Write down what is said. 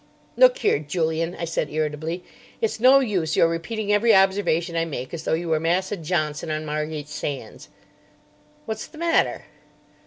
"Look here, Julian," I said irritably; "it's no use your repeating every observation I make as though you were Massa Johnson on Margate Sands." "What's the matter?"